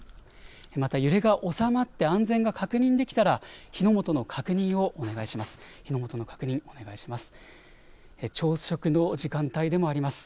また揺れが収まって安全が確認できたら火の元の確認をお願いします。